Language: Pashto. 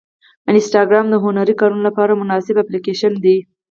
انسټاګرام د هنري کارونو لپاره مناسب اپلیکیشن دی.